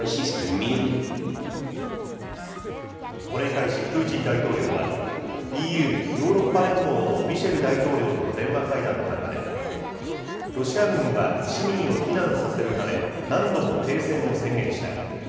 これに対し、プーチン大統領は、ＥＵ・ヨーロッパ連合のミシェル大統領との電話会談の中で、ロシア軍は市民を避難させるため、何度も停戦を宣言した。